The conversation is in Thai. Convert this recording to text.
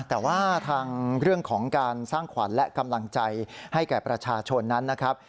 แต่ว่าทางเรื่องของการสร้างขวัญและกำลังใจให้แก่ประชาชนนั้นนะครับ